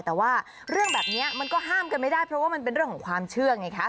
แต่ว่าเรื่องแบบนี้มันก็ห้ามกันไม่ได้เพราะว่ามันเป็นเรื่องของความเชื่อไงคะ